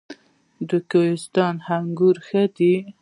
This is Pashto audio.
د کوهستان انګور ښه دي